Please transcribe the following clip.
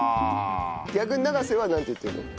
逆に永瀬はなんて言ってるの？